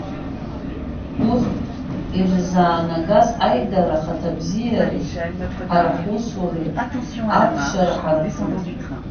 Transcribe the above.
Урҭ ирызнаагаз аидара ахаҭабзиареи ҳара ҳусуреи ахәшьара ҳарак рыҭан.